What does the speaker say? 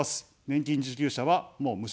年金受給者は、もう無償化。